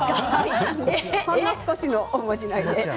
ほんの少しのおまじないで。